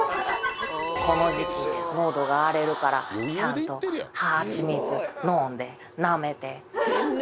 「この時期喉が荒れるからちゃんと蜂蜜飲んでなめて食べてね」